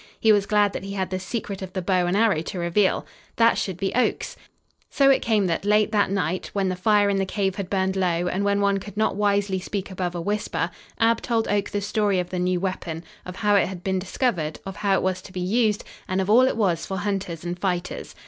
He was glad that he had the secret of the bow and arrow to reveal. That should be Oak's! So it came that, late that night, when the fire in the cave had burned low and when one could not wisely speak above a whisper, Ab told Oak the story of the new weapon, of how it had been discovered, of how it was to be used and of all it was for hunters and fighters.